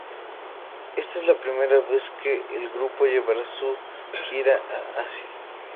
Esta es la primera vez que el grupo llevará su gira a Asia.